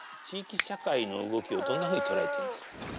地域社会の動きをどんなふうに捉えていますか？